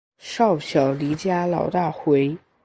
少小离家老大回